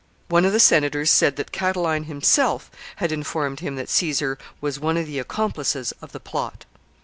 One of the senators said that Catiline himself had informed him that Caesar was one of the accomplices of the plot.